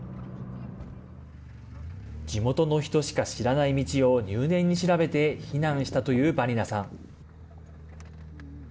地元の人しか知らない道を入念に調べて避難したというバニナさん。